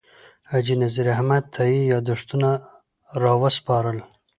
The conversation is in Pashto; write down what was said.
حاجي نذیر احمد تائي یاداښتونه راوسپارل.